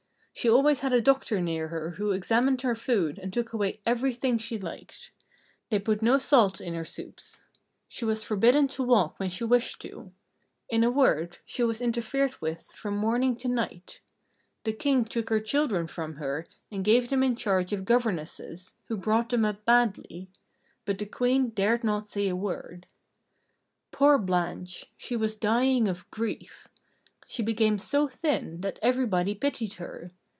She always had a doctor near her who examined her food and took away everything she liked. They put no salt in her soups. She was forbidden to walk when she wished to. In a word, she was interfered with from morning to night. The King took her children from her, and gave them in charge of governesses who brought them up badly. But the Queen dared not say a word. Poor Blanche! She was dying of grief. She became so thin that everybody pitied her.